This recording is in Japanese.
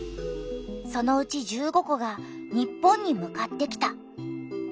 そのうち１５個が日本に向かってきた。